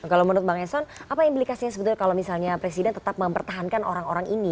kalau menurut bang eson apa implikasinya sebetulnya kalau misalnya presiden tetap mempertahankan orang orang ini